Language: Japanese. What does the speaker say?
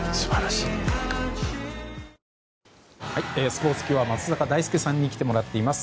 スポーツ今日は松坂大輔さんに来てもらっています。